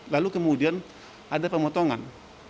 lalu kemudian ada pemotongan